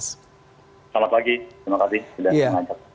selamat pagi terima kasih